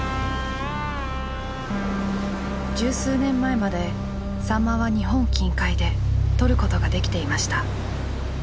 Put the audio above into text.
十数年前までサンマは日本近海で獲ることができていました。